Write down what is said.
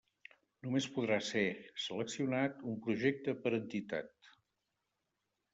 Només podrà ser seleccionat un projecte per entitat.